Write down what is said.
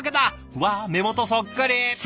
わあ目元そっくり。